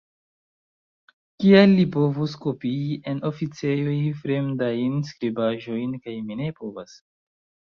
Kial li povus kopii en oficejoj fremdajn skribaĵojn, kaj mi ne povas?